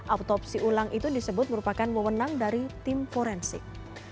autopsi ulang itu disebut merupakan mewenang dari tim forensik